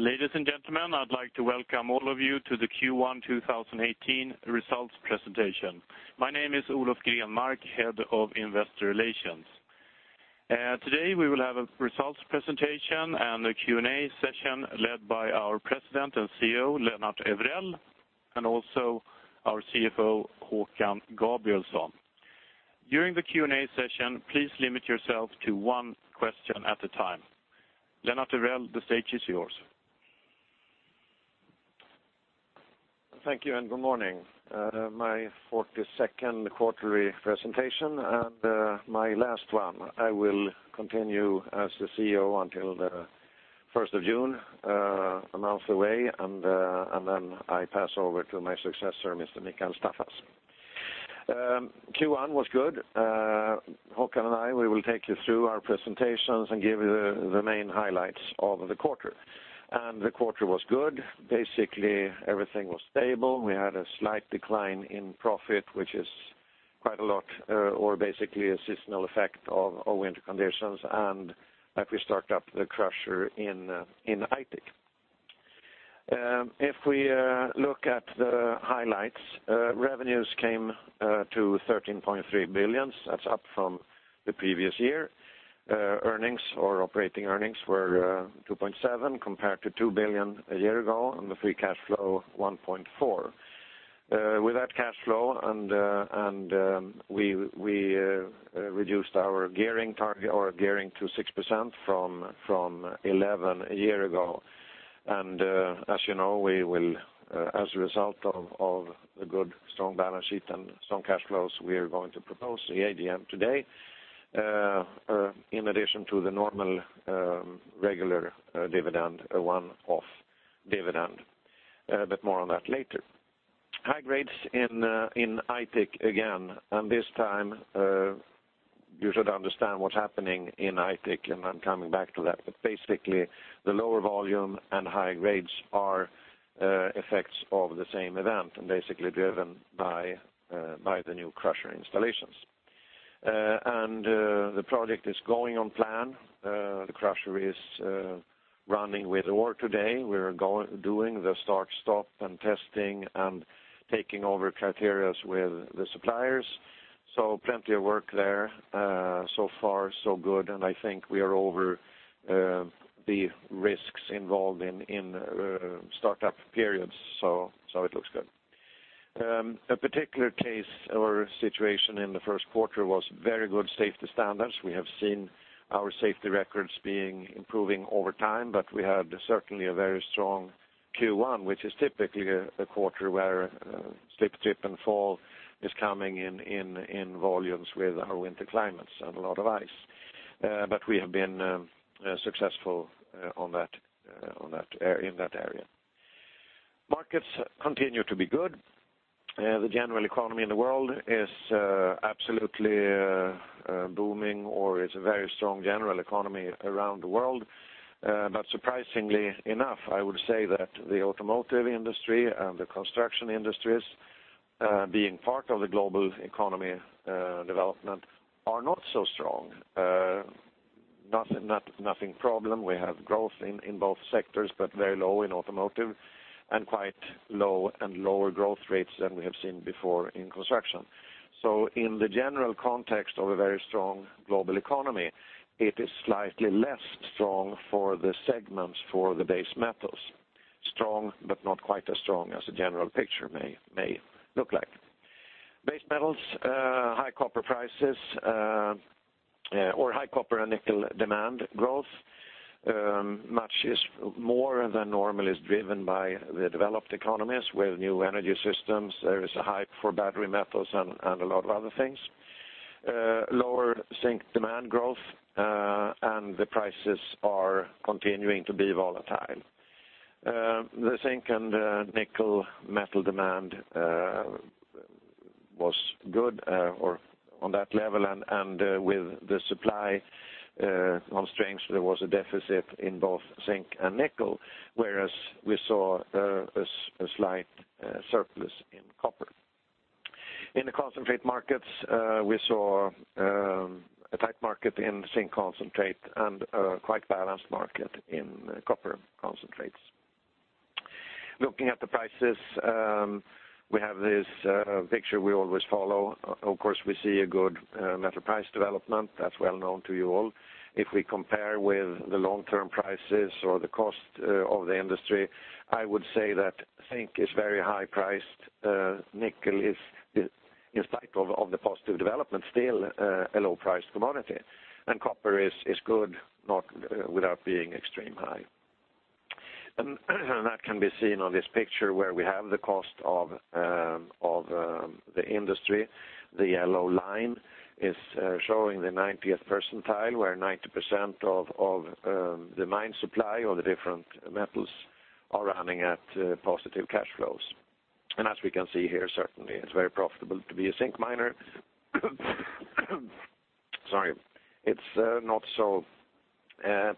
Ladies and gentlemen, I'd like to welcome all of you to the Q1 2018 results presentation. My name is Olof Grenmark, head of investor relations. Today we will have a results presentation and a Q&A session led by our President and CEO, Lennart Evrell, and also our CFO, Håkan Gabrielsson. During the Q&A session, please limit yourself to one question at a time. Lennart Evrell, the stage is yours. Thank you. Good morning. My 42nd quarterly presentation and my last one. I will continue as the CEO until the 1st of June, a month away. Then I pass over to my successor, Mikael Staffas. Q1 was good. Håkan and I, we will take you through our presentations and give you the main highlights of the quarter. The quarter was good. Basically, everything was stable. We had a slight decline in profit, which is quite a lot, or basically a seasonal effect of winter conditions and after we start up the crusher in Aitik. If we look at the highlights, revenues came to 13.3 billion. That's up from the previous year. Earnings or operating earnings were 2.7 billion compared to 2 billion a year ago, and the free cash flow, 1.4 billion. With that cash flow, we reduced our gearing to 6% from 11% a year ago. As you know, as a result of the good strong balance sheet and strong cash flows, we are going to propose the AGM today, in addition to the normal regular dividend, a one-off dividend. More on that later. High grades in Aitik again. This time you should understand what's happening in Aitik. I'm coming back to that. Basically, the lower volume and high grades are effects of the same event and basically driven by the new crusher installations. The project is going on plan. The crusher is running with ore today. We are doing the start, stop, and testing and taking over criteria with the suppliers. Plenty of work there. Far so good, I think we are over the risks involved in startup periods. It looks good. A particular case or situation in the first quarter was very good safety standards. We have seen our safety records improving over time, but we had certainly a very strong Q1, which is typically a quarter where slip, trip, and fall is coming in volumes with our winter climates and a lot of ice. We have been successful in that area. Markets continue to be good. The general economy in the world is absolutely booming, or is a very strong general economy around the world. Surprisingly enough, I would say that the automotive industry and the construction industries, being part of the global economy development, are not so strong. Not a problem, we have growth in both sectors, but very low in automotive and quite low and lower growth rates than we have seen before in construction. In the general context of a very strong global economy, it is slightly less strong for the segments for the base metals. Strong, but not quite as strong as a general picture may look like. Base metals, high copper prices, or high copper and nickel demand growth. Much more than normal is driven by the developed economies with new energy systems. There is a hype for battery metals and a lot of other things. Lower zinc demand growth, the prices are continuing to be volatile. The zinc and nickel metal demand was good or on that level, with the supply constraints, there was a deficit in both zinc and nickel, whereas we saw a slight surplus in copper. In the concentrate markets, we saw a tight market in zinc concentrate and a quite balanced market in copper concentrates. Looking at the prices, we have this picture we always follow. Of course, we see a good metal price development that's well known to you all. If we compare with the long-term prices or the cost of the industry, I would say that zinc is very high priced. Nickel is, in spite of the positive development, still a low priced commodity. Copper is good, not without being extreme high. That can be seen on this picture where we have the cost of the industry. The yellow line is showing the 90th percentile, where 90% of the mine supply of the different metals are running at positive cash flows. As we can see here, certainly it's very profitable to be a zinc miner. Sorry. It's not so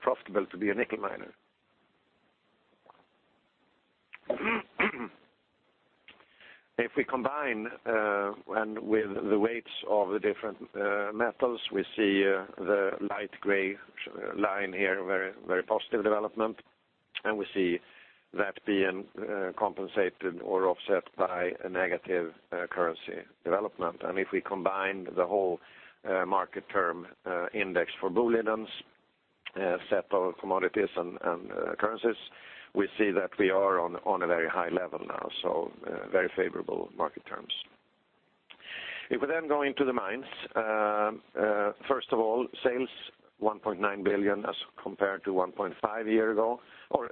profitable to be a nickel miner. If we combine with the weights of the different metals, we see the light gray line here, very positive development, we see that being compensated or offset by a negative currency development. If we combine the whole market term index for Boliden, set of commodities and currencies, we see that we are on a very high level now. Very favorable market terms. If we then go into the mines. First of all, earnings 1.9 billion compared to 1.5 billion year ago, the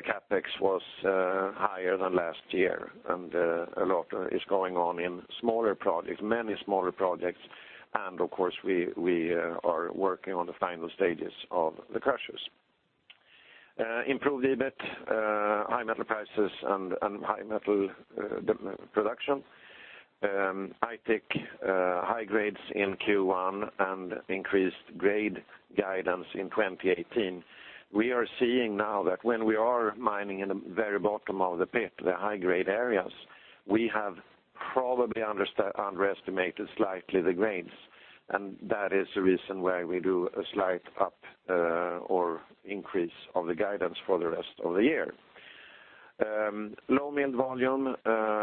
CapEx was higher than last year, a lot is going on in many smaller projects, of course, we are working on the final stages of the crushers. Improved EBIT, high metal prices, high metal production. Aitik, high grades in Q1, increased grade guidance in 2018. We are seeing now that when we are mining in the very bottom of the pit, the high-grade areas, we have probably underestimated slightly the grades. That is the reason why we do a slight up or increase of the guidance for the rest of the year. Low milled volume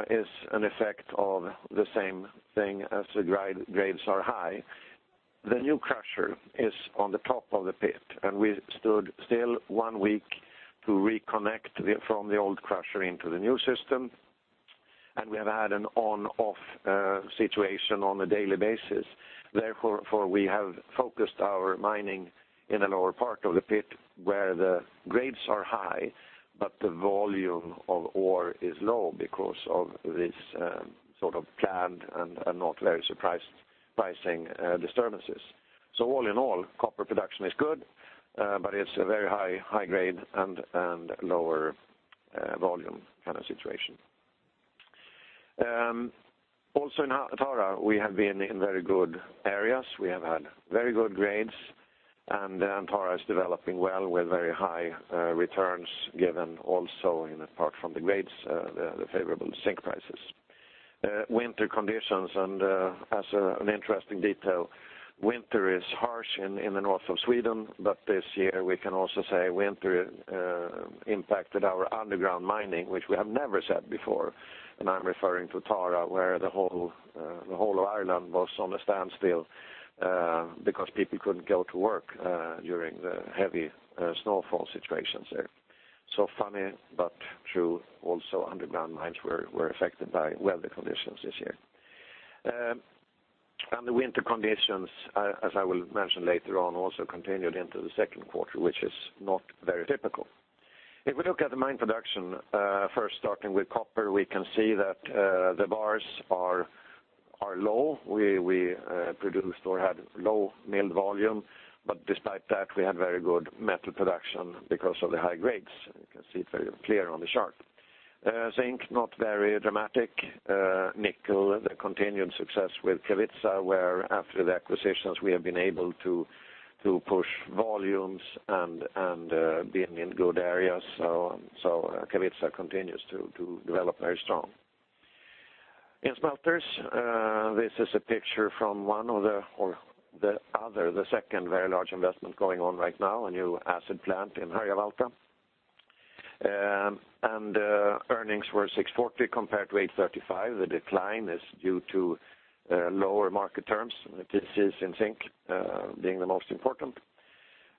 is an effect of the same thing as the grades are high. The new crusher is on the top of the pit, we stood still one week to reconnect from the old crusher into the new system, we have had an on/off situation on a daily basis. Therefore, we have focused our mining in the lower part of the pit where the grades are high, but the volume of ore is low because of this sort of planned and not very surprising disturbances. All in all, copper production is good, but it's a very high grade and lower volume kind of situation. In Tara, we have been in very good areas. We have had very good grades, and Tara is developing well with very high returns given also in apart from the grades, the favorable zinc prices. Winter conditions. As an interesting detail, winter is harsh in the north of Sweden, but this year we can also say winter impacted our underground mining, which we have never said before. I'm referring to Tara, where the whole of Ireland was on a standstill because people couldn't go to work during the heavy snowfall situations there. Funny but true, also underground mines were affected by weather conditions this year. The winter conditions, as I will mention later on, also continued into the second quarter, which is not very typical. If we look at the mine production, first starting with copper, we can see that the bars are low. We produced or had low milled volume, but despite that, we had very good metal production because of the high grades. You can see it very clear on the chart. Zinc, not very dramatic. Nickel, the continued success with Kevitsa, where after the acquisitions we have been able to push volumes and being in good areas. Kevitsa continues to develop very strong. In smelters, this is a picture from one of the other, the second very large investment going on right now, a new acid plant in Harjavalta. Earnings were 640 compared to 835. The decline is due to lower market terms. This is in zinc being the most important.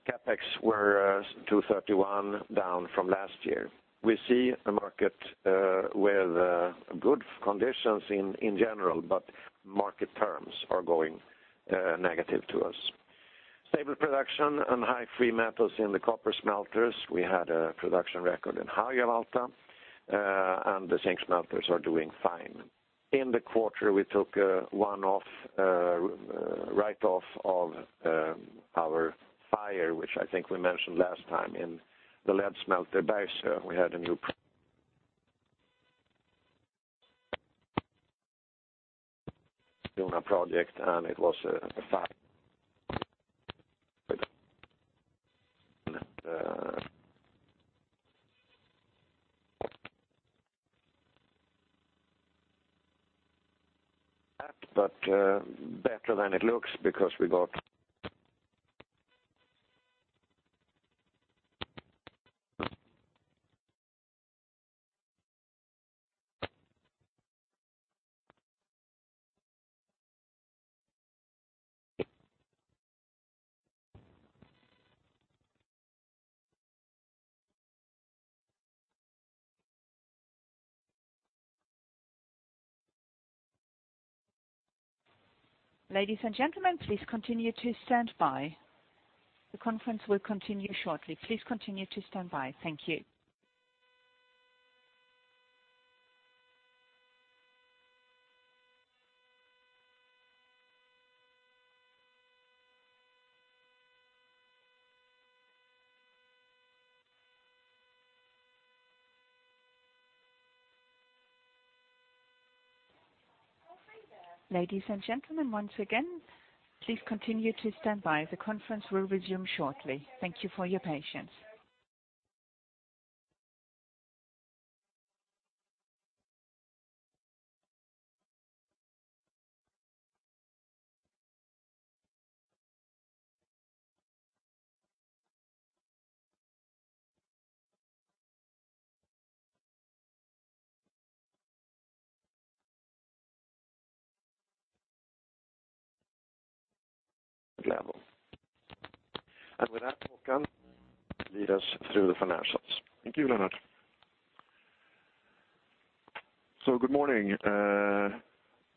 CapEx were 231, down from last year. We see a market with good conditions in general, market terms are going negative to us. Stable production and high free metals in the copper smelters. We had a production record in Harjavalta. The zinc smelters are doing fine. In the quarter, we took one write-off of our fire, which I think we mentioned last time in the lead smelter, Bergsöe. We had a new project. It was a fire. Better than it looks because we got Ladies and gentlemen, please continue to stand by. The conference will continue shortly. Please continue to stand by. Thank you. Ladies and gentlemen, once again, please continue to stand by. The conference will resume shortly. Thank you for your patience. With that, Håkan, lead us through the financials. Thank you, Lennart. Good morning.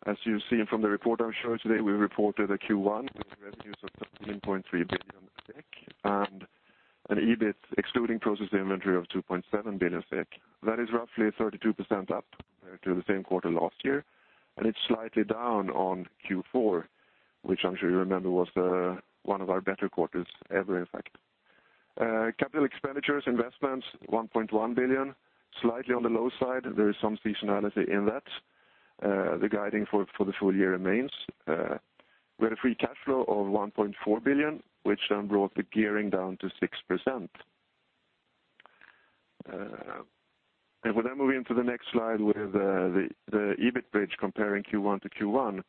As you've seen from the report I'm showing today, we reported a Q1 with revenues of 17.3 billion SEK and an EBIT excluding process inventory of 2.7 billion SEK. That is roughly 32% up compared to the same quarter last year, and it's slightly down on Q4, which I'm sure you remember was one of our better quarters ever, in fact. Capital expenditures investments 1.1 billion, slightly on the low side. There is some seasonality in that. The guiding for the full year remains. We had a free cash flow of 1.4 billion, which then brought the gearing down to 6%. We then move into the next slide with the EBIT bridge comparing Q1 to Q1.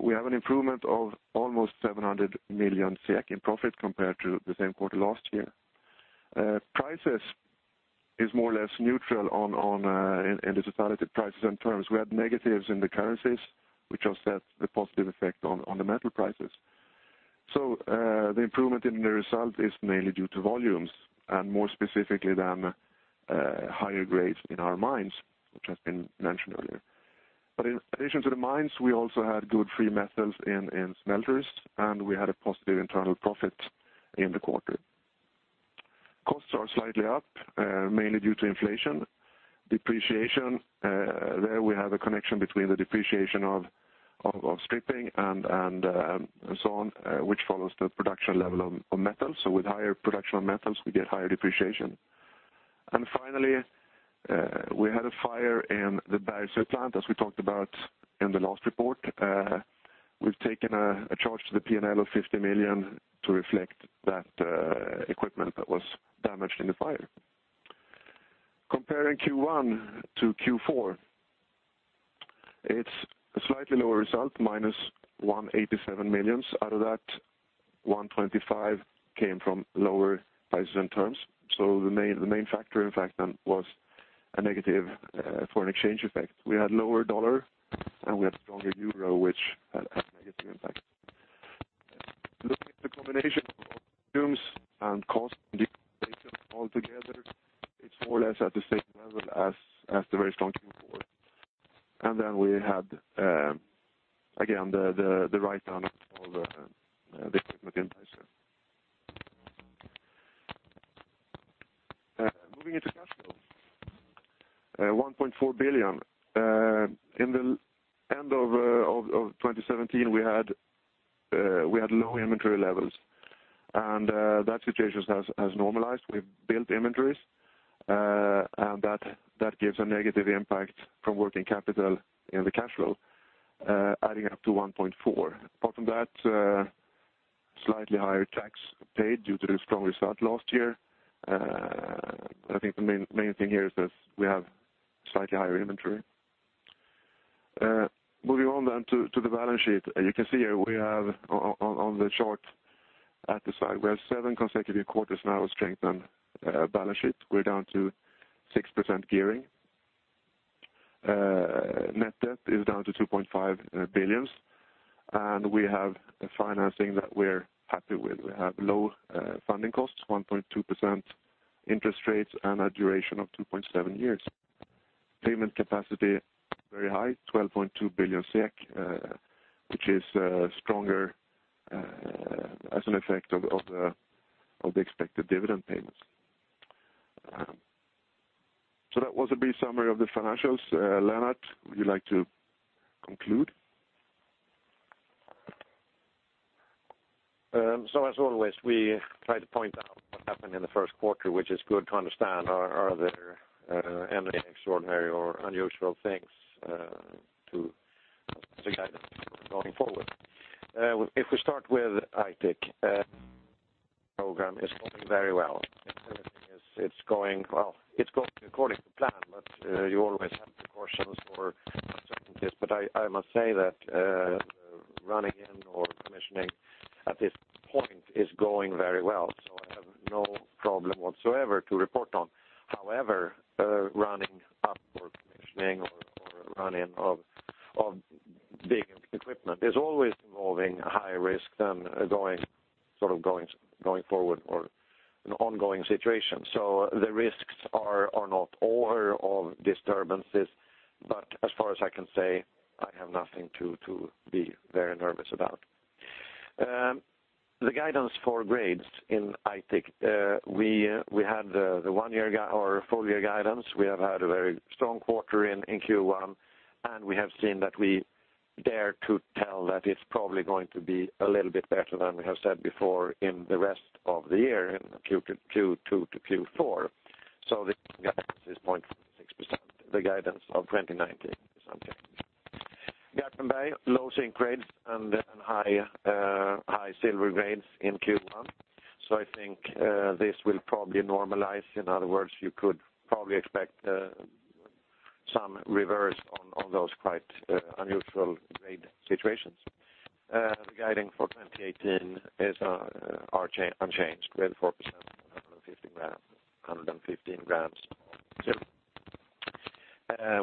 We have an improvement of almost 700 million SEK in profit compared to the same quarter last year. Prices is more or less neutral in the totality of prices and terms. We had negatives in the currencies, which offset the positive effect on the metal prices. The improvement in the result is mainly due to volumes and more specifically than higher grades in our mines, which has been mentioned earlier. In addition to the mines, we also had good free metals in smelters, and we had a positive internal profit in the quarter. Costs are slightly up, mainly due to inflation. Depreciation, there we have a connection between the depreciation of stripping and so on, which follows the production level of metals. With higher production of metals, we get higher depreciation. Finally, we had a fire in the Bergsöe plant, as we talked about in the last report. We've taken a charge to the P&L of 50 million to reflect that equipment that was damaged in the fire. Comparing Q1 to Q4, it's a slightly lower result, minus 187 million. Out of that, 125 came from lower prices and terms. The main factor, in fact, then was a negative foreign exchange effect. We had lower U.S. dollar, and we had stronger EUR, which had a negative impact. Looking at the combination of volumes and cost altogether, it's more or less at the same level as the very strong Q4. Then we had, again, the write-down of all the equipment in Bergsöe. Moving into cash flow. 1.4 billion. In the end of 2017, we had low inventory levels, and that situation has normalized. We've built inventories, and that gives a negative impact from working capital in the cash flow, adding up to 1.4. Apart from that, slightly higher tax paid due to the strong result last year. I think the main thing here is that we have slightly higher inventory. Moving on to the balance sheet. You can see here we have on the chart at the side, we have seven consecutive quarters now of strengthened balance sheet. We're down to 6% gearing. Net debt is down to 2.5 billion, and we have a financing that we're happy with. We have low funding costs, 1.2% interest rates, and a duration of 2.7 years. Payment capacity, very high, 12.2 billion SEK, which is stronger, as an effect of the expected dividend payments. That was a brief summary of the financials. Lennart, would you like to conclude? As always, we try to point out what happened in the first quarter, which is good to understand. Are there any extraordinary or unusual things to guide us going forward? If we start with Aitik, program is going very well. The other thing is it's going according to plan, you always have precautions or uncertainties, but I must say that the running in or commissioning at this point is going very well, so I have no problem whatsoever to report on. However, running up or commissioning or run-in of big equipment is always involving higher risk than going forward or an ongoing situation. The risks are not over of disturbances, but as far as I can say, I have nothing to be very nervous about. The guidance for grades in Aitik, we had the full-year guidance. We have had a very strong quarter in Q1, we have seen that we dare to tell that it's probably going to be a little bit better than we have said before in the rest of the year, in Q2 to Q4. The guidance is 0.26%, the guidance of 2019 is okay. Garpenberg, low zinc grades and high silver grades in Q1. I think this will probably normalize. In other words, you could probably expect some reverse on those quite unusual grade situations. The guidance for 2018 are unchanged, 24% 150 grams, 115 grams of silver.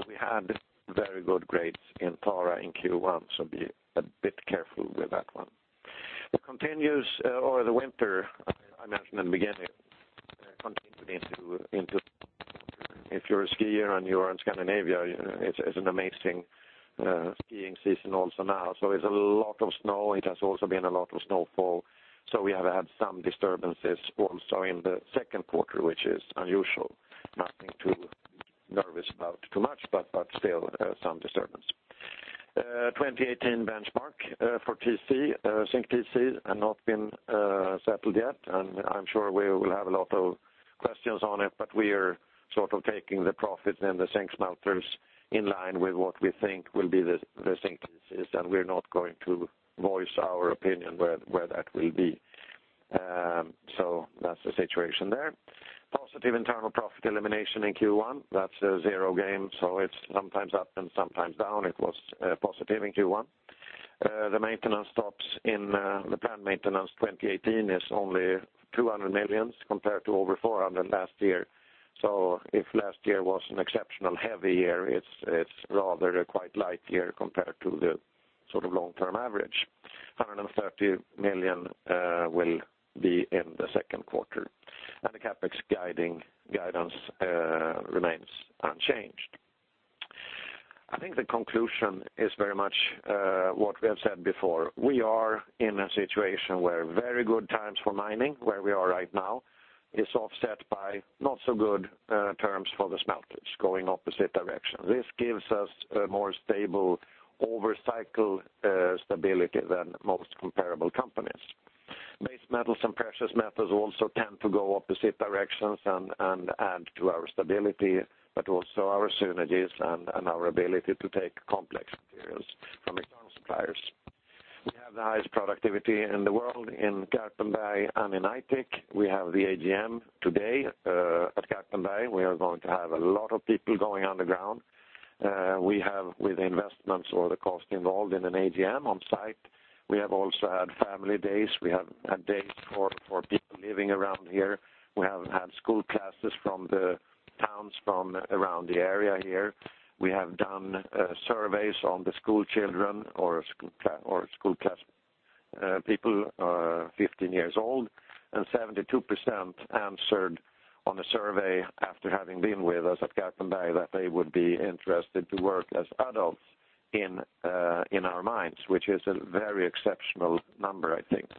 We had very good grades in Tara in Q1, be a bit careful with that one. The continues over the winter, I mentioned in the beginning, continued into. If you're a skier and you are in Scandinavia, it's an amazing skiing season also now. It's a lot of snow. It has also been a lot of snowfall, we have had some disturbances also in the second quarter, which is unusual. Nothing to be nervous about too much, still some disturbance. 2018 benchmark for zinc TC have not been settled yet, I'm sure we will have a lot of questions on it, we are sort of taking the profit and the zinc smelters in line with what we think will be the zinc TCs, we're not going to voice our opinion where that will be. That's the situation there. Positive internal profit elimination in Q1. That's a zero game, it's sometimes up and sometimes down. It was positive in Q1. The maintenance stops in the plant maintenance 2018 is only 200 million compared to over 400 last year. If last year was an exceptional heavy year, it's rather a quite light year compared to the long-term average. 130 million will be in the second quarter. The CapEx guidance remains unchanged. I think the conclusion is very much what we have said before. We are in a situation where very good times for mining, where we are right now, is offset by not so good terms for the smelters going opposite direction. This gives us a more stable overcycle stability than most comparable companies. Base metals and precious metals also tend to go opposite directions and add to our stability, but also our synergies and our ability to take complex materials from external suppliers. We have the highest productivity in the world in Garpenberg and in Aitik. We have the AGM today at Garpenberg. We are going to have a lot of people going underground. We have with investments or the cost involved in an AGM on site. We have also had family days. We have had days for people living around here. We have had school classes from the towns from around the area here. We have done surveys on the school children or school class people 15 years old, and 72% answered on a survey after having been with us at Garpenberg that they would be interested to work as adults in our mines, which is a very exceptional number, I think.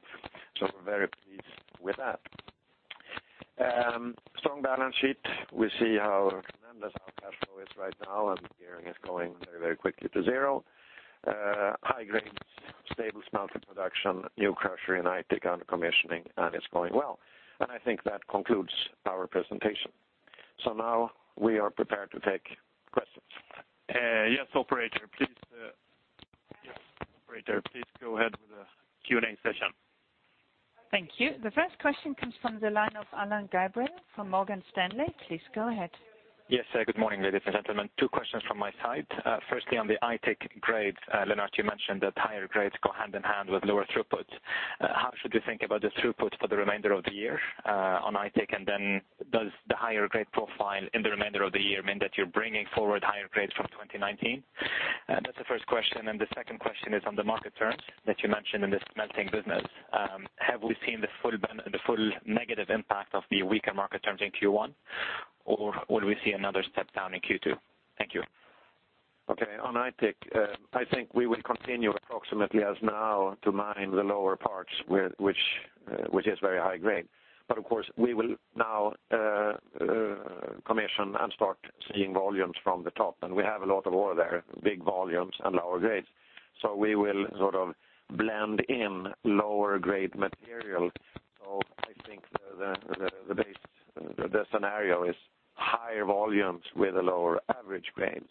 We're very pleased with that. Strong balance sheet. We see how tremendous our cash flow is right now, and the gearing is going very, very quickly to zero. High grades, stable smelter production, new crusher in Aitik under commissioning, and it's going well. I think that concludes our presentation. Now we are prepared to take questions. Yes, operator, please go ahead with the Q&A session. Thank you. The first question comes from the line of Alain Gabriel from Morgan Stanley. Please go ahead. Yes, good morning, ladies and gentlemen. Two questions from my side. Firstly, on the Aitik grades, Lennart, you mentioned that higher grades go hand in hand with lower throughput. How should we think about the throughput for the remainder of the year on Aitik? Does the higher grade profile in the remainder of the year mean that you're bringing forward higher grades from 2019? That's the first question. The second question is on the market terms that you mentioned in the smelting business. Have we seen the full negative impact of the weaker market terms in Q1, or will we see another step down in Q2? Thank you. Okay. On Aitik I think we will continue approximately as now to mine the lower parts which is very high grade. Of course, we will now commission and start seeing volumes from the top. We have a lot of ore there, big volumes and lower grades. We will sort of blend in lower grade material. I think the base, the scenario is higher volumes with the lower average grades,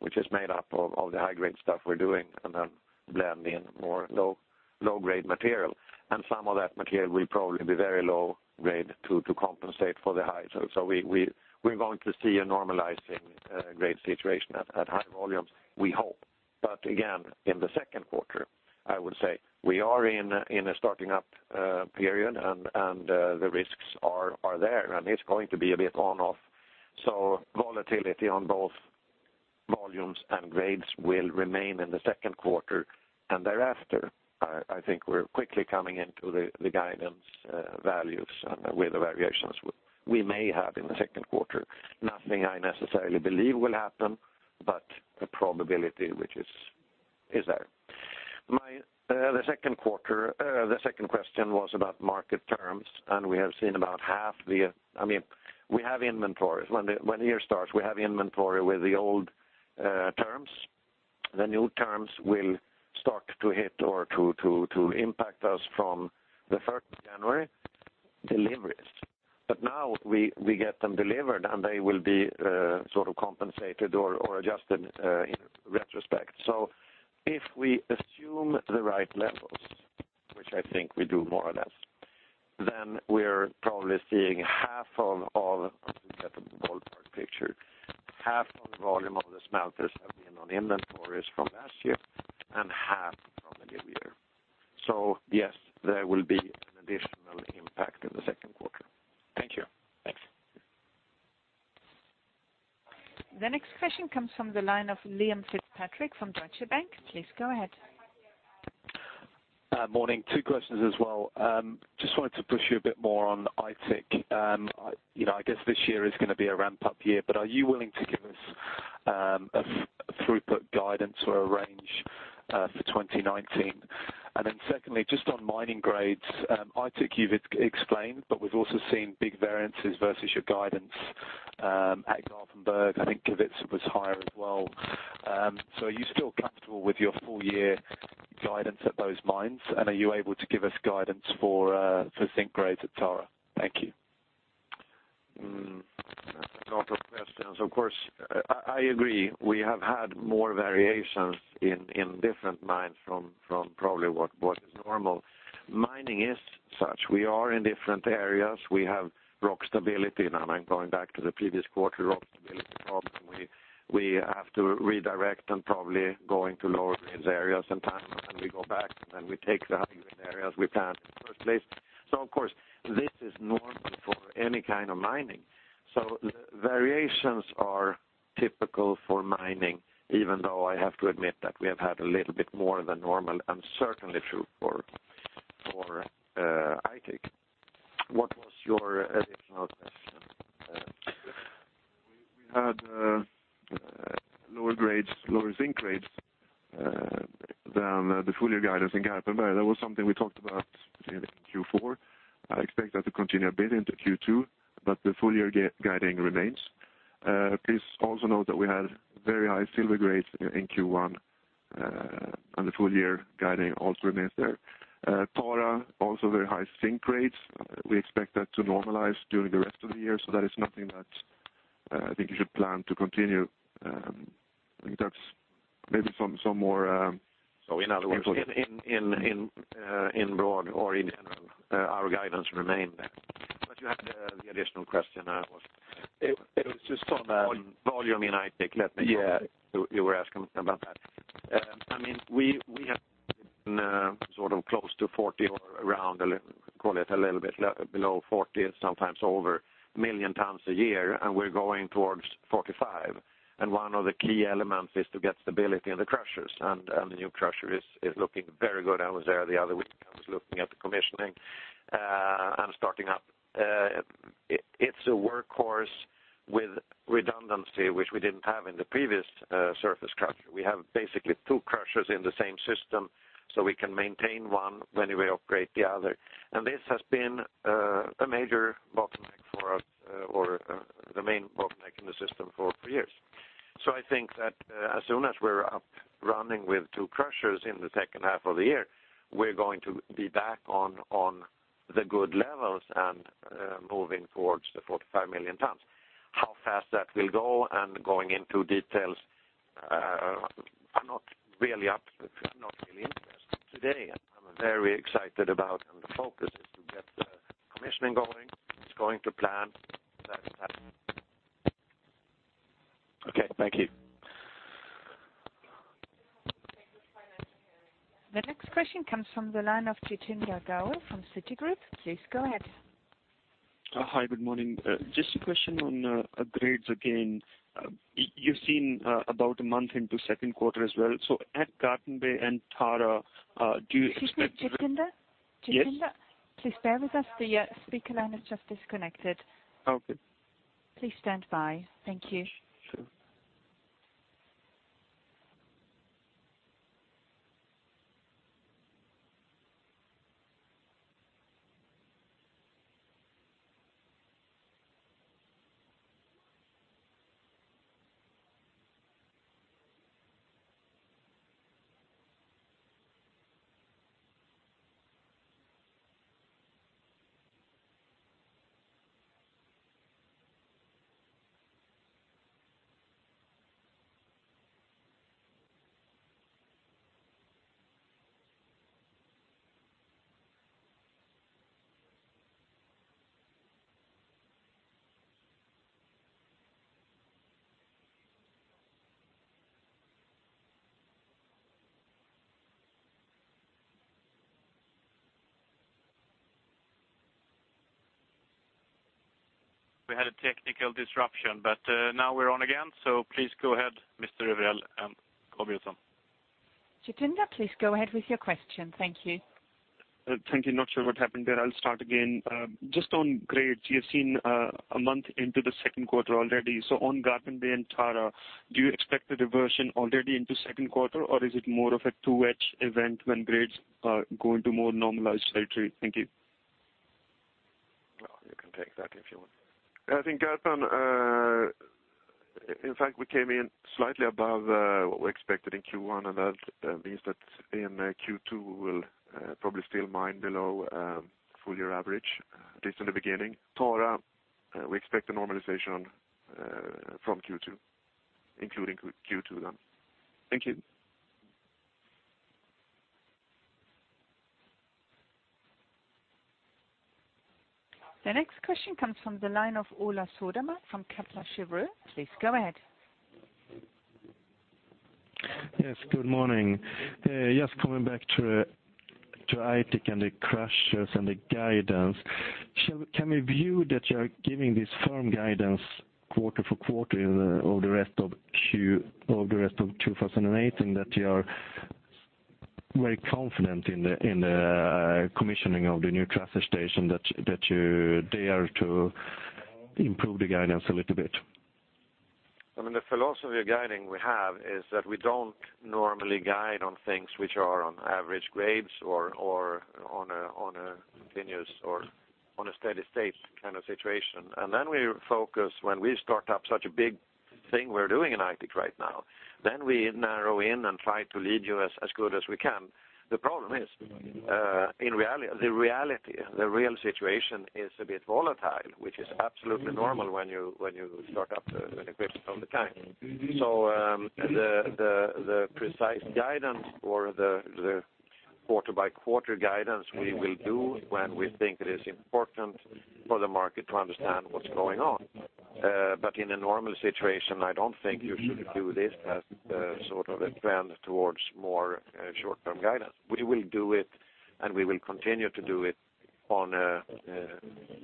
which is made up of the high grade stuff we're doing and then blend in more low grade material. Some of that material will probably be very low grade to compensate for the highs. We're going to see a normalizing grade situation at high volumes, we hope. Again, in the second quarter, I would say we are in a starting up period and the risks are there, and it's going to be a bit on/off. Volatility on both volumes and grades will remain in the second quarter. Thereafter, I think we're quickly coming into the guidance values and with the variations we may have in the second quarter. Nothing I necessarily believe will happen, but a probability which is there. The second question was about market terms. We have seen about half. We have inventories. When the year starts, we have inventory with the old terms. The new terms will start to hit or to impact us from the 1st of January deliveries. Now we get them delivered, and they will be sort of compensated or adjusted in retrospect. If we assume the right levels, which I think we do more or less, then we're probably seeing half of all, to get the ballpark picture, half of the volume of the smelters have been on inventories from last year and half from the new year. Yes, there will be an additional impact in the second quarter. Thank you. Thanks. The next question comes from the line of Liam Fitzpatrick from Deutsche Bank. Please go ahead. Morning. Two questions as well. Just wanted to push you a bit more on Aitik. I guess this year is going to be a ramp-up year, but are you willing to give us a throughput guidance or a range for 2019? Secondly, just on mining grades, Aitik you've explained, but we've also seen big variances versus your guidance at Garpenberg. I think Kevitsa was higher as well. Are you still comfortable with your full-year guidance at those mines? Are you able to give us guidance for zinc grades at Tara? Thank you. A lot of questions. Of course, I agree. We have had more variations in different mines from probably what is normal. Mining is such. We are in different areas. We have rock stability. Now I'm going back to the previous quarter rock stability problem. We have to redirect and probably going to lower grade areas sometimes. We go back, and then we take the high grade areas we planned in the first place. Of course, this is normal for any kind of mining. Variations are typical for mining, even though I have to admit that we have had a little bit more than normal, and certainly true for Aitik. What was your additional question? We had lower zinc grades than the full year guidance in Garpenberg. That was something we talked about in Q4. I expect that to continue a bit into Q2, but the full year guiding remains. Please also note that we had very high silver grades in Q1, and the full year guiding also remains there. Tara, also very high zinc grades. We expect that to normalize during the rest of the year, so that is nothing that I think you should plan to continue. In other words, in broad or in general, our guidance remain there. You had the additional question. It was just. Volume in Aitik. Let me come to it. You were asking about that. We have been sort of close to 40 or around, call it a little bit below 40, sometimes over, million tons a year, and we're going towards 45. One of the key elements is to get stability in the crushers. The new crusher is looking very good. I was there the other week. I was looking at the commissioning, and starting up. It's a workhorse with redundancy, which we didn't have in the previous surface crusher. We have basically two crushers in the same system, so we can maintain one when we operate the other. This has been a major bottleneck for us or the main bottleneck in the system for three years. I think that as soon as we're up running with two crushers in the second half of the year, we're going to be back on the good levels and moving towards the 45 million tons. How fast that will go and going into details, I'm not really interested today. I'm very excited about, and the focus is to get the commissioning going. It's going to plan. Okay. Thank you. The next question comes from the line of Jatinder Kaur from Citigroup. Please go ahead. Hi, good morning. Just a question on grades again. You're seen about a month into second quarter as well. At Garpenberg and Tara, do you expect- Jatinder? Yes. Jatinder, please bear with us. The speaker line has just disconnected. Okay. Please stand by. Thank you. Sure. We had a technical disruption, now we're on again. Please go ahead, Mr. Evrell and Gabrielsson. Jatinder, please go ahead with your question. Thank you. Thank you. Not sure what happened there. I'll start again. Just on grades, you have seen a month into the second quarter already. On Garpenberg and Tara, do you expect a reversion already into second quarter, or is it more of a 2H event when grades are going to more normalized territory? Thank you. I can take that if you want. I think Garpenberg, in fact, we came in slightly above what we expected in Q1. That means that in Q2, we will probably still mine below full year average, at least in the beginning. Tara, we expect a normalization from Q2, including Q2 then. Thank you. The next question comes from the line of Oskar Soderstrom from Kepler Cheuvreux. Please go ahead. Yes, good morning. Just coming back to Aitik and the crushers and the guidance. Can we view that you're giving this firm guidance quarter for quarter over the rest of 2018, that you are very confident in the commissioning of the new crusher station, that you dare to improve the guidance a little bit? The philosophy of guiding we have is that we don't normally guide on things which are on average grades or on a continuous or on a steady state kind of situation. Then we focus when we start up such a big thing we're doing in Aitik right now, then we narrow in and try to lead you as good as we can. The problem is, in the real situation is a bit volatile, which is absolutely normal when you start up an equipment of the kind. The precise guidance or the quarter by quarter guidance we will do when we think it is important for the market to understand what's going on. In a normal situation, I don't think you should do this as a trend towards more short-term guidance. We will do it, and we will continue to do it on a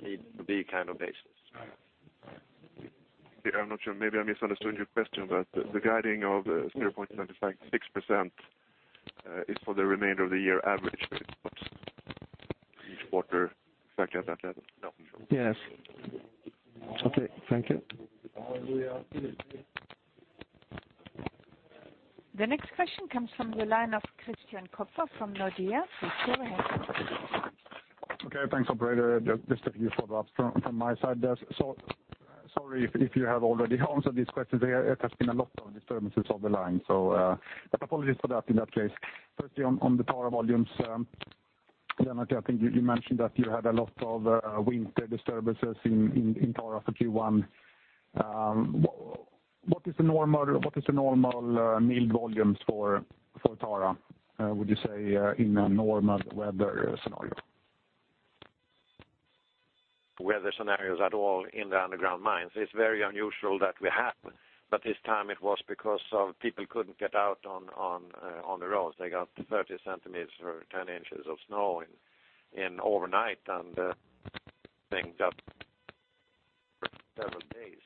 need to be kind of basis. I'm not sure. Maybe I misunderstood your question. The guiding of 0.756% is for the remainder of the year average. It's not each quarter factor that level. Yes. Okay. Thank you. The next question comes from the line of Christian Kopfer from Nordea. Please go ahead. Okay. Thanks, operator. Just a few follow-ups from my side. Sorry if you have already answered these questions. There has been a lot of disturbances on the line. Apologies for that in that case. Firstly, on the Tara volumes. Lennart, I think you mentioned that you had a lot of winter disturbances in Tara for Q1. What is the normal milled volumes for Tara, would you say, in a normal weather scenario? Weather scenarios at all in the underground mines. It's very unusual that we have, but this time it was because of people couldn't get out on the roads. They got 30 centimeters or 10 inches of snow in overnight and things up several days.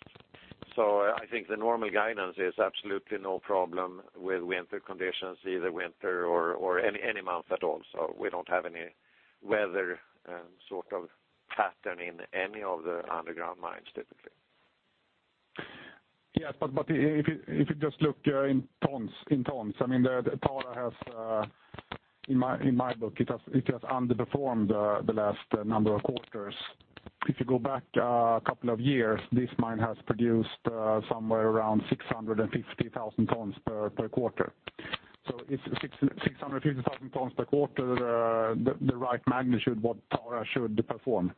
I think the normal guidance is absolutely no problem with winter conditions, either winter or any month at all. We don't have any weather pattern in any of the underground mines, typically. Yes. If you just look in tons. Tara has, in my book, it has underperformed the last number of quarters. If you go back a couple of years, this mine has produced somewhere around 650,000 tons per quarter. Is 650,000 tons per quarter the right magnitude what Tara should perform?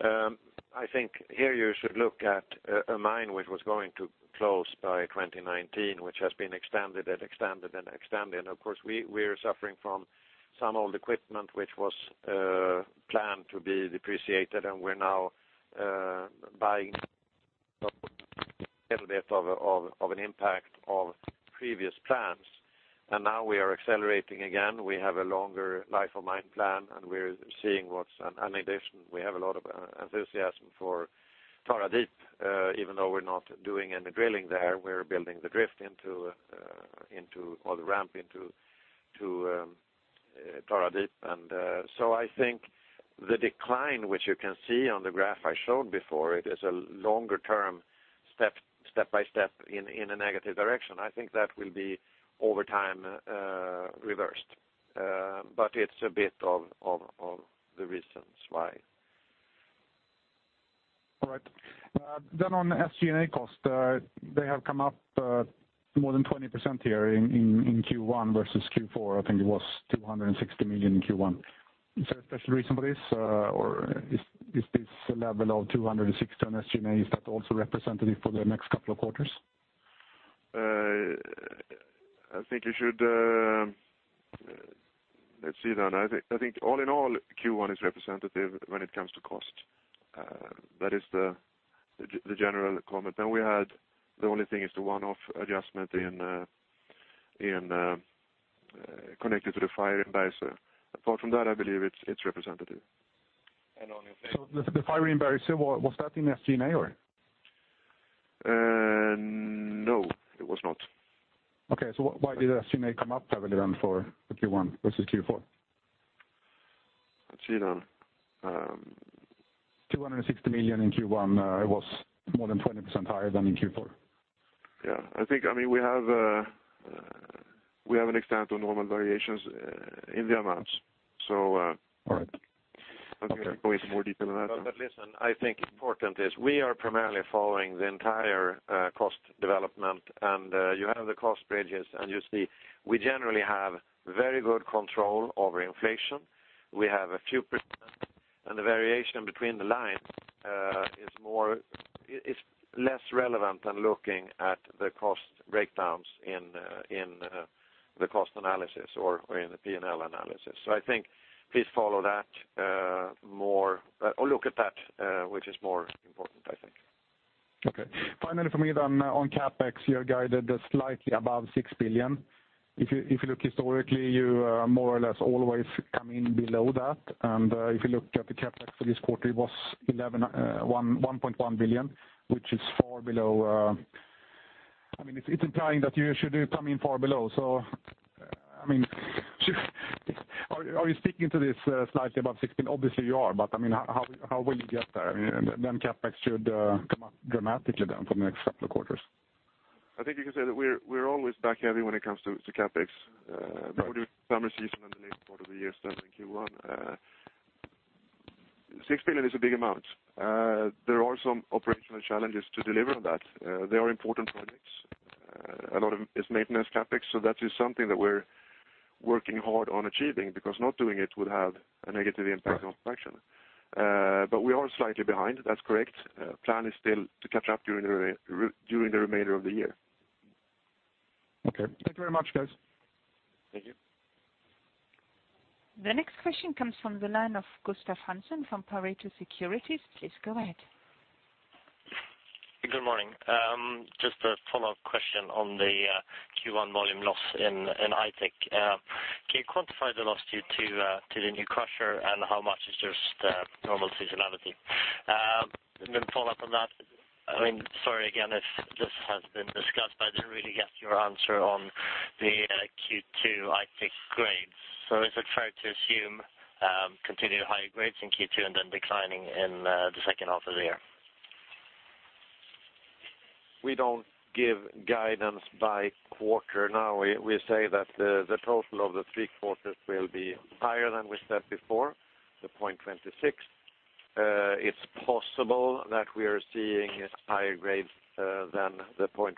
I think here you should look at a mine which was going to close by 2019, which has been extended and extended and extended. Of course, we are suffering from some old equipment which was planned to be depreciated, and we're now buying a little bit of an impact of previous plans. Now we are accelerating again. We have a longer life of mine plan, and we're seeing what's an addition. We have a lot of enthusiasm for Tara Deep. Even though we're not doing any drilling there, we're building the drift or the ramp into Tara Deep. I think the decline which you can see on the graph I showed before, it is a longer-term step-by-step in a negative direction. I think that will be over time reversed. It's a bit of the reasons why. All right. On SG&A cost, they have come up more than 20% here in Q1 versus Q4. I think it was 260 million in Q1. Is there a special reason for this? Is this a level of 260 on SG&A, is that also representative for the next couple of quarters? Let's see then. I think all in all, Q1 is representative when it comes to cost. That is the general comment. We had the only thing is the one-off adjustment connected to the fire in Bergsöe. Apart from that, I believe it's representative. The fire in Bergsöe, was that in SG&A or? No, it was not. Okay. Why did SG&A come up heavily then for the Q1 versus Q4? Let's see then. 260 million in Q1, it was more than 20% higher than in Q4. Yeah. I think We have an extent of normal variations in the amounts. All right. Okay. I'm going to go into more detail than that. Listen, I think important is we are primarily following the entire cost development, and you have the cost bridges and you see we generally have very good control over inflation. We have a few %, and the variation between the lines is less relevant than looking at the cost breakdowns in the cost analysis or in the P&L analysis. I think, please follow that more or look at that which is more important, I think. Okay. Finally for me on CapEx, you have guided slightly above 6 billion. If you look historically, you more or less always come in below that. If you look at the CapEx for this quarter, it was 1.1 billion, which is far below. It's implying that you should come in far below. Are you speaking to this slightly above 6 billion? Obviously, you are, how will you get there? CapEx should come up dramatically down for the next couple of quarters. I think you can say that we're always back heavy when it comes to CapEx. Right. During the summer season and the later part of the year, starting Q1. 6 billion is a big amount. There are some operational challenges to deliver on that. They are important projects. A lot of it is maintenance CapEx, so that is something that we are working hard on achieving because not doing it would have a negative impact on production. We are slightly behind, that's correct. Plan is still to catch up during the remainder of the year. Okay. Thank you very much, guys. Thank you. The next question comes from the line of Gustaf Zetterholm from Pareto Securities. Please go ahead. Good morning. Just a follow-up question on the Q1 volume loss in Aitik. Can you quantify the loss due to the new crusher and how much is just normal seasonality? Following up on that, sorry again if this has been discussed, but I didn't really get your answer on the Q2 Aitik grades. Is it fair to assume continued high grades in Q2 and then declining in the second half of the year? We don't give guidance by quarter now. We say that the total of the three quarters will be higher than we said before, the 0.26. It's possible that we are seeing higher grades than the 0.26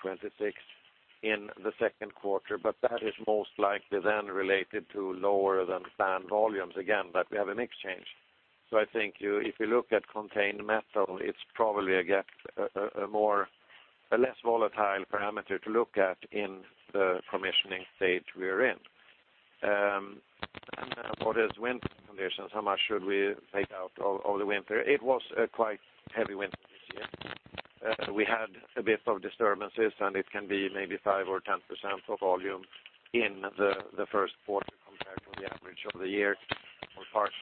in the second quarter, but that is most likely then related to lower than planned volumes again. We have a mix change. I think if you look at contained metal, it's probably, again, a less volatile parameter to look at in the commissioning stage we are in. For this winter conditions, how much should we take out of the winter? It was a quite heavy winter this year. We had a bit of disturbances, and it can be maybe 5% or 10% of volume in the first quarter compared to the average of the year. Of course,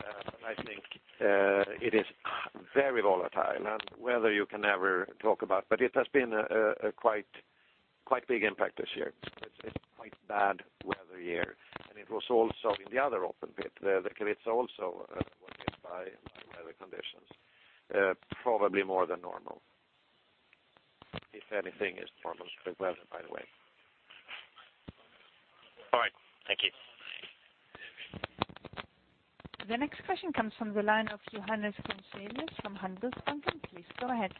I think it is very volatile. Weather you can never talk about, it has been a quite big impact this year. It's quite bad weather year. It was also in the other open pit. The pits also were hit by weather conditions probably more than normal. If anything is normal with weather, by the way. All right. Thank you. The next question comes from the line of Johannes Goncalves from Handelsbanken. Please go ahead.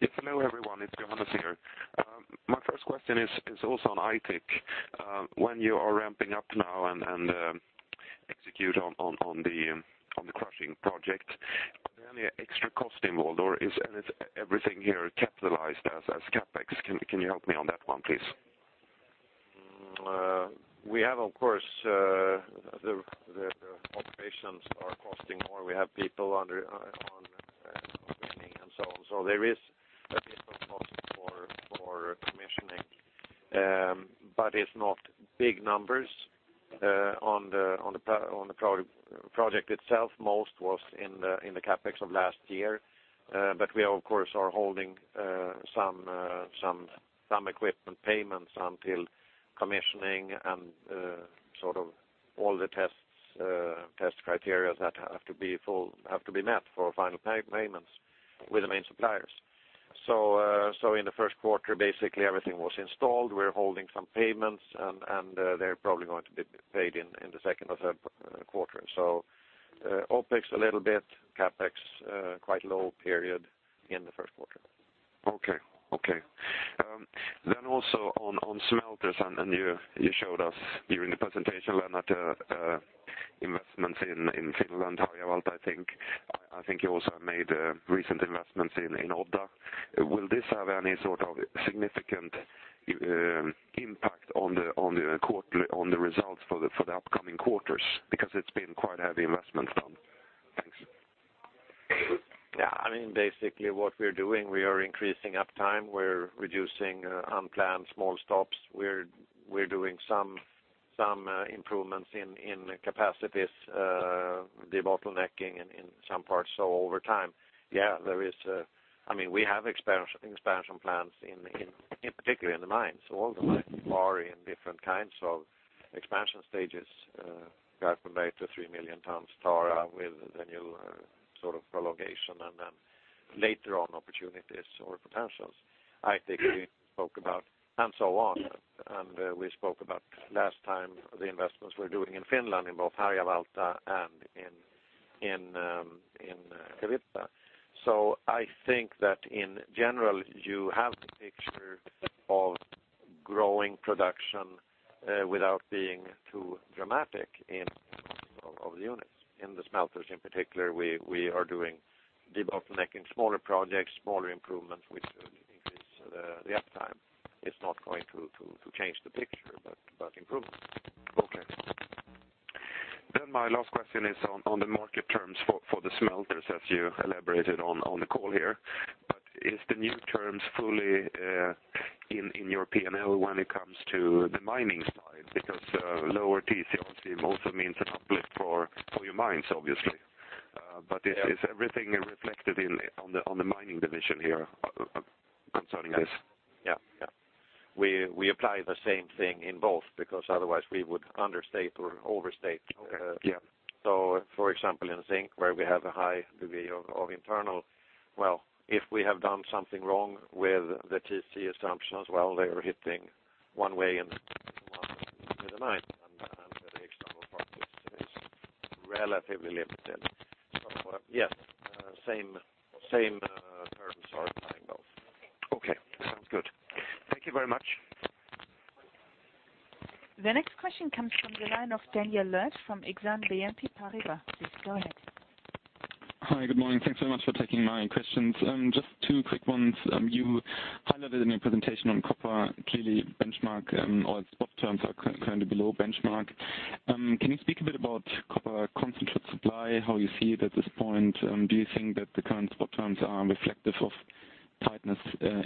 Yes. Hello, everyone. It's Johannes here. My first question is also on Aitik. When you are ramping up now and execute on the crushing project, are there any extra costs involved, or is everything here capitalized as CapEx? Can you help me on that one, please? We have, of course, the operations are costing more. We have people on cleaning and so on. There is a different cost for commissioning. It's not big numbers on the project itself. Most was in the CapEx of last year. We of course are holding some equipment payments until commissioning and sort of all the test criteria that have to be met for final payments with the main suppliers. In the first quarter, basically everything was installed. We're holding some payments, and they're probably going to be paid in the second or third quarter. OpEx a little bit, CapEx, quite low period in the first quarter. Okay. Also on smelters, you showed us during the presentation, Lennart, investments in Finland, Terjärv, I think. I think you also have made recent investments in Odda. Will this have any sort of significant impact on the results for the upcoming quarters? Because it's been quite heavy investments done. Thanks. Yeah, basically what we're doing, we are increasing uptime. We're reducing unplanned small stops. We're doing some improvements in capacities, debottlenecking in some parts. Over time, yeah, we have expansion plans in particular in the mines. All the mines are in different kinds of expansion stages. Garpenberg, 3 million tons. Tara with the new sort of prolongation. Later on opportunities or potentials. I think we spoke about and so on. We spoke about last time the investments we're doing in Finland in both Harjavalta and in Kokkola. I think that in general, you have the picture of growing production without being too dramatic in of the units. In the smelters in particular, we are doing bottlenecking smaller projects, smaller improvements, which will increase the uptime. It's not going to change the picture but improvements. Okay. My last question is on the market terms for the smelters as you elaborated on the call here. Is the new terms fully in your P&L when it comes to the mining side? Lower TC obviously also means an uplift for your mines, obviously. Is everything reflected on the mining division here concerning this? Yeah. We apply the same thing in both, otherwise we would understate or overstate. Okay. Yeah. For example, in zinc, where we have a high degree of internal, if we have done something wrong with the TC assumptions, they are hitting one way and the mine, and the external part is relatively limited. Yes, same terms are applying both. Okay. Sounds good. Thank you very much. The next question comes from the line of Daniel Lös from Exane BNP Paribas. Please go ahead. Hi, good morning. Thanks very much for taking my questions. Just two quick ones. You highlighted in your presentation on copper, clearly benchmark or spot terms are currently below benchmark. Can you speak a bit about copper concentrate supply, how you see it at this point? Do you think that the current spot terms are reflective of tightness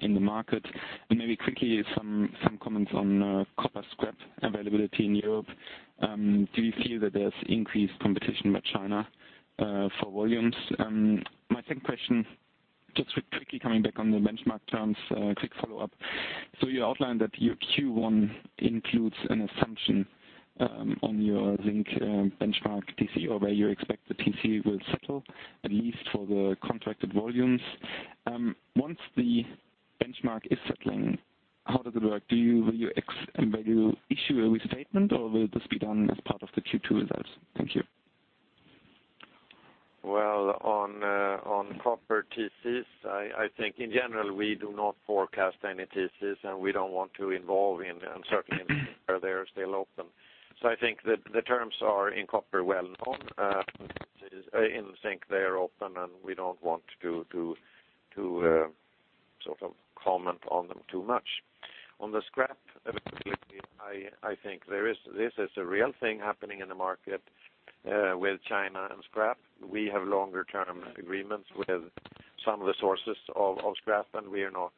in the market? Maybe quickly some comments on copper scrap availability in Europe. Do you feel that there's increased competition by China for volumes? My second question, just quickly coming back on the benchmark terms, a quick follow-up. You outlined that your Q1 includes an assumption on your zinc benchmark TC, or where you expect the TC will settle, at least for the contracted volumes. Once the benchmark is settling, how does it work? Will you issue a restatement, or will this be done as part of the Q2 results? Thank you. Well, on copper TCs, I think in general, we do not forecast any TCs, and we don't want to involve in certainly where they're still open. I think that the terms are in copper well-known. In zinc, they are open, we don't want to comment on them too much. On the scrap availability, I think this is a real thing happening in the market with China and scrap. We have longer term agreements with some of the sources of scrap, we are not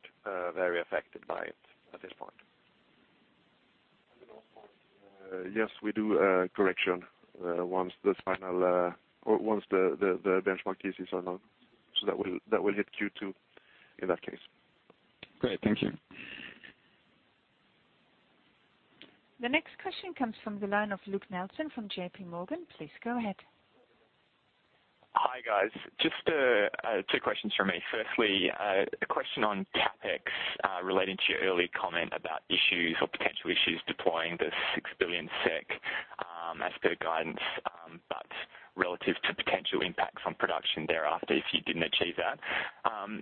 very affected by it at this point. On the last point, yes, we do a correction once the benchmark TCs are known. That will hit Q2 in that case. Great. Thank you. The next question comes from the line of Luke Nelson from J.P. Morgan. Please go ahead. Hi, guys. Just two questions from me. Firstly, a question on CapEx relating to your earlier comment about issues or potential issues deploying the 6 billion SEK as per guidance, but relative to potential impacts on production thereafter if you didn't achieve that.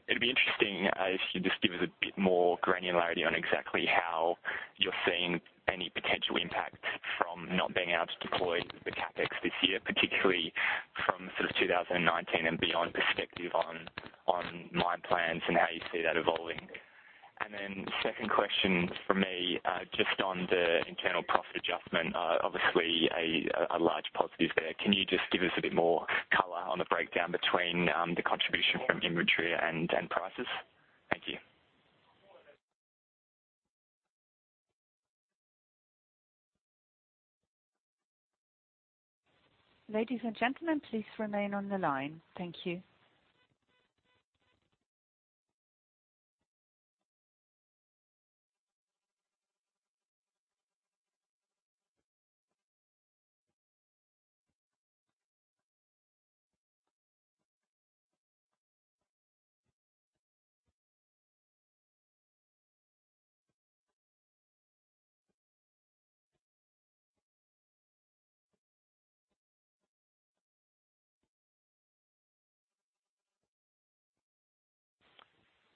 It'd be interesting if you just give us a bit more granularity on exactly how you're seeing any potential impact from not being able to deploy the CapEx this year, particularly from sort of 2019 and beyond perspective on mine plans and how you see that evolving. Second question from me, just on the internal profit adjustment, obviously a large positive there. Can you just give us a bit more color on the breakdown between the contribution from inventory and prices? Thank you. Ladies and gentlemen, please remain on the line. Thank you.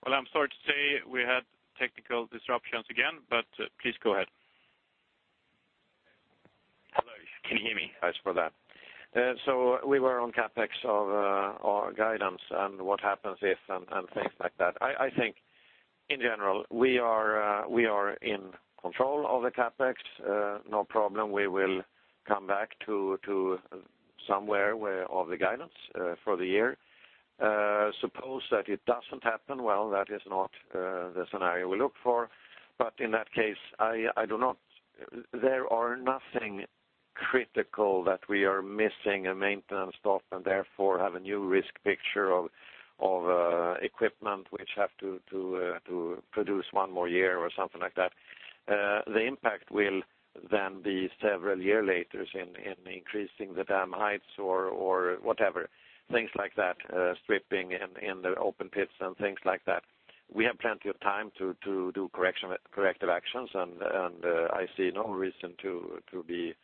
Well, I'm sorry to say we had technical disruptions again. Please go ahead. Hello, can you hear me? Sorry for that. We were on CapEx of our guidance and what happens if and things like that. I think in general, we are in control of the CapEx. No problem, we will come back to somewhere of the guidance for the year. Suppose that it doesn't happen, well, that is not the scenario we look for. In that case, there are nothing critical that we are missing a maintenance stop and therefore have a new risk picture of equipment which have to produce one more year or something like that. The impact will then be several years later in increasing the dam heights or whatever, things like that, stripping in the open pits and things like that. We have plenty of time to do corrective actions, and I see no reason to be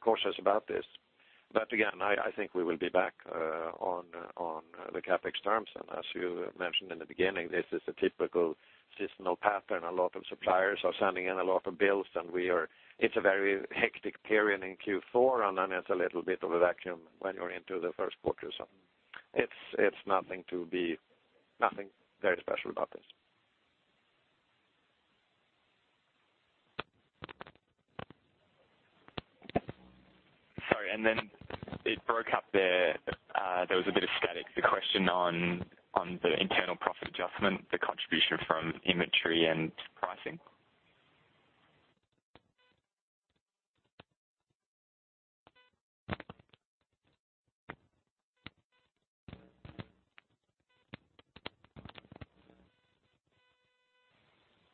cautious about this. Again, I think we will be back on the CapEx terms. As you mentioned in the beginning, this is a typical seasonal pattern. A lot of suppliers are sending in a lot of bills, and it's a very hectic period in Q4, and then it's a little bit of a vacuum when you're into the first quarter. It's nothing very special about this. Sorry. Then it broke up there. There was a bit of static. The question on the internal profit adjustment, the contribution from inventory and pricing.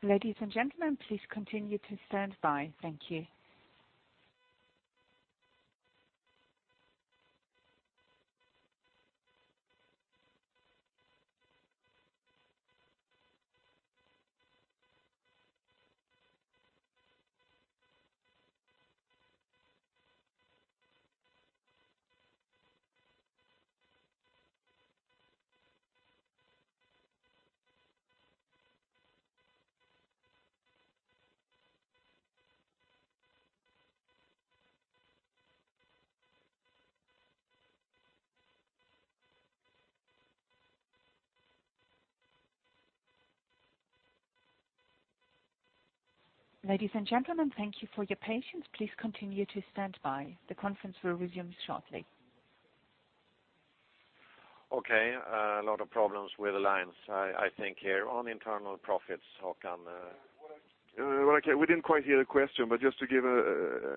Ladies and gentlemen, please continue to stand by. Thank you. Ladies and gentlemen, thank you for your patience. Please continue to stand by. The conference will resume shortly. Okay. A lot of problems with the lines, I think here. On internal profits, Håkan. We didn't quite hear the question. Just to give a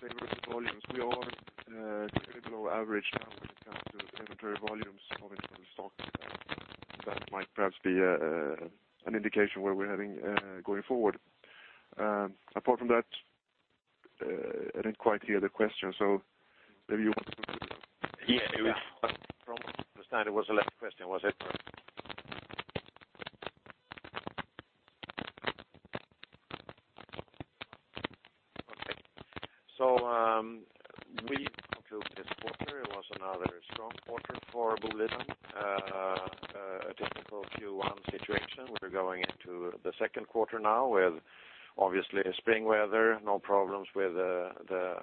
figure with volumes, we are a little below average now when it comes to inventory volumes of internal stock. That might perhaps be an indication where we're heading going forward. Apart from that, I didn't quite hear the question, maybe you want to repeat it. Yeah. From what I understand, it was the last question, was it? Okay. We concluded this quarter. It was another strong quarter for Boliden. A difficult Q1 situation. We're going into the second quarter now with obviously spring weather, no problems with the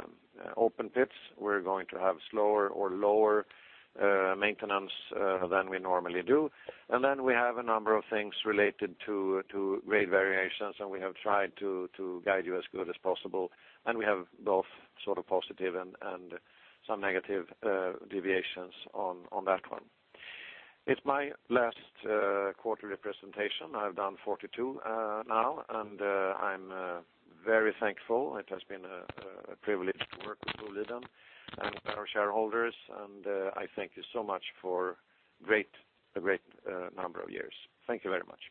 open pits. We're going to have slower or lower maintenance than we normally do. We have a number of things related to grade variations, we have tried to guide you as good as possible. We have both sort of positive and some negative deviations on that one. It's my last quarterly presentation. I've done 42 now. I'm very thankful. It has been a privilege to work with Boliden and our shareholders. I thank you so much for a great number of years. Thank you very much.